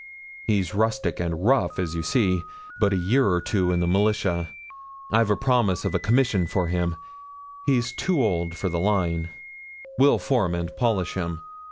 He's rustic and rough, as you see; but a year or two in the militia I've a promise of a commission for him he's too old for the line will form and polish him.